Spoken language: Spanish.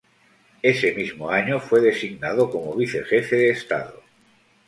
Ese mismo año, fue designado como Vicejefe de Estado.